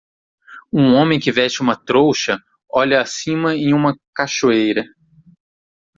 Um homem que veste uma trouxa olha acima em uma cachoeira.